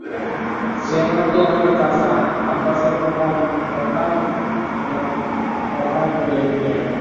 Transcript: সেও আমাকে আমার চাচা আব্বাসের কথার মত কথা বলে দিল।